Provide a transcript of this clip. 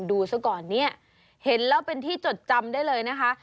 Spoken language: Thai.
ดูซะก่อนเนี่ยเห็นแล้วเป็นที่จดจำได้เลยนะคะ